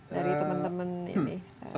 dari teman teman ini